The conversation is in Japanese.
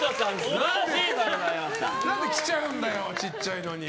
何で着ちゃうんだよちっちゃいのに。